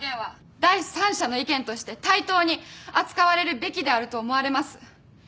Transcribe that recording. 第三者の意見として対等に扱われるべきであると思われます。